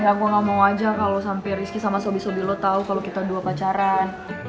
ya aku gak mau aja kalo sampe rizky sama sobi sobi lo tau kalo kita dua pacaran